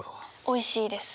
おいしいです。